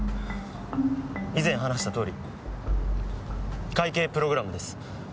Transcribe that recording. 以前話したとおり会計プログラムです。